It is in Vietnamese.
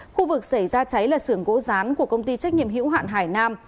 khu vực xảy ra cháy là sưởng gỗ gián của công ty trách nhiệm hiểu hạn hải nam